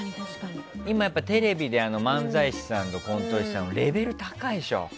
今、やっぱテレビで漫才師さんとかコント師さんレベル高いでしょ。